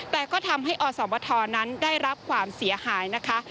แต่ก็ทำให้อสมทนั้นได้รับความเสียหายนะคะ